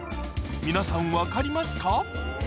皆さん分かりますか？